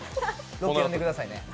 ロケ呼んでくださいね。